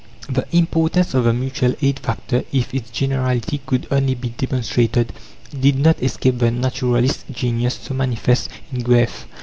The importance of the Mutual Aid factor "if its generality could only be demonstrated" did not escape the naturalist's genius so manifest in Goethe.